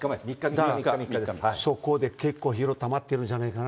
そこで結構疲労たまってるんじゃないかな。